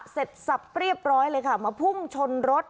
เสร็จสับเรียบร้อยเลยค่ะมาพุ่งชนรถ